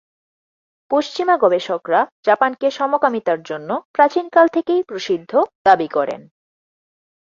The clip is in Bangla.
পশ্চিমা গবেষকরা জাপানকে সমকামিতার জন্য প্রাচীনকাল থেকেই 'প্রসিদ্ধ' দাবি করেন।